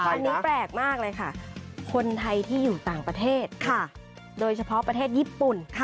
อันนี้แปลกมากเลยค่ะคนไทยที่อยู่ต่างประเทศโดยเฉพาะประเทศญี่ปุ่น